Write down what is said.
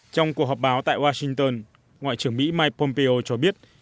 trong cuộc họp báo tại washington ngoại trưởng mỹ mike pompeo cho biết